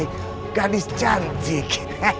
hei gadis cancik